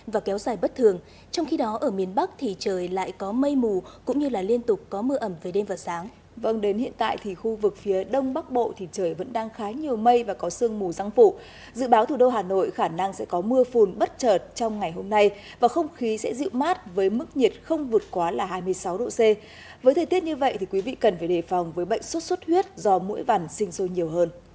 với thời tiết như vậy thì quý vị cần phải đề phòng với bệnh suốt suốt huyết do mũi vẳn sinh sôi nhiều hơn